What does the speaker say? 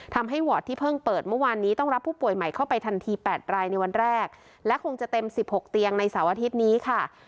วอร์ดที่เพิ่งเปิดเมื่อวานนี้ต้องรับผู้ป่วยใหม่เข้าไปทันที๘รายในวันแรกและคงจะเต็มสิบหกเตียงในเสาร์อาทิตย์นี้ค่ะ